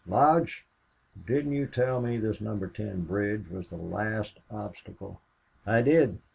Lodge, didn't you tell me this Number Ten bridge was the last obstacle?" "I did.